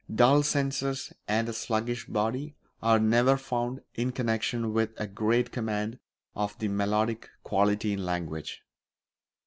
Dull senses and a sluggish body are never found in connection with a great command of the melodic quality in language.